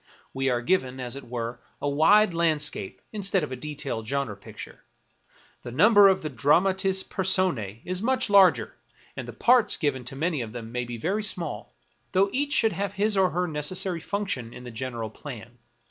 We are given, as it were, a wide landscape instead of a detailed genre picture. The number of the dramatis persona is much larger, and the parts given to many of them may be very small, though each should have his or her necessary func tion in the general plan.